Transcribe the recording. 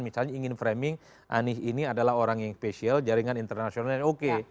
misalnya ingin framing anies ini adalah orang yang spesial jaringan internasional yang oke